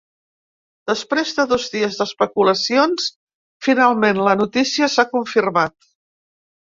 Després de dos dies d’especulacions, finalment la notícia s’ha confirmat.